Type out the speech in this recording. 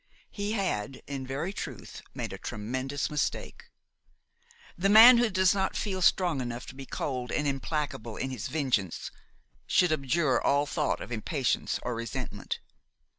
He had in very truth made a tremendous mistake; the man who does not feel strong enough to be cold and implacable in his vengeance should abjure all thought of impatience or resentment.